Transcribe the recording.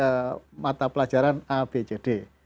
dan kemampuan akademik mata pelajaran a b c d